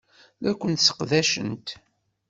La ken-sseqdacent.